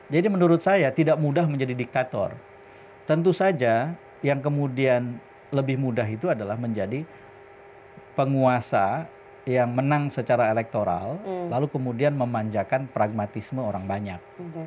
jadi menurut saya tidak mudah menjadi diktator tentu saja yang kemudian lebih mudah itu adalah menjadi penguasa yang menang secara elektoral lalu kemudian memanjakan pragmatisme orang banyak